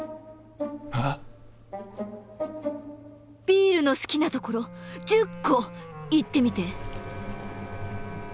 ビールの好きなところ１０個言ってみて！